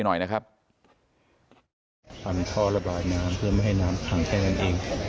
หน่อยนะครับทำท่อระบายน้ำเพื่อไม่ให้น้ำขังแค่นั้นเอง